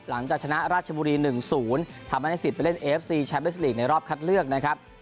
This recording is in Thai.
หลังจากชนะราชบุรี๑๐ทำให้ได้สิทธิ์ไปเล่นเอฟซีแมสลีกในรอบคัดเลือกนะครับ